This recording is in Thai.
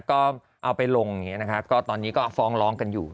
ก็เอาไปลงเนี่ยนะคะก็ตอนนี้ก็ฟ้องร้องกันอยู่